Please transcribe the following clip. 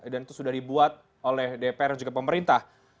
dpr bersama pemerintah